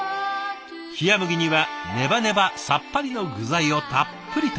冷や麦にはネバネバさっぱりの具材をたっぷりと。